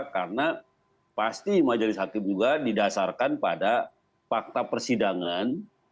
karena pasti majelis hakim juga didasarkan pada fakta persidangan